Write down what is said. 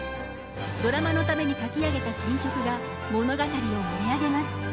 ドラマのために書き上げた新曲が物語を盛り上げます。